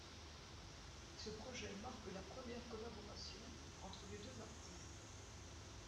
Ce projet marque la première collaboration entre les deux artistes.